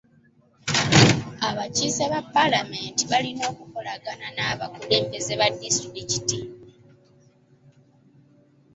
Abakiise ba palaamenti balina okukolagana n'abakulembeze ba disitulikiti.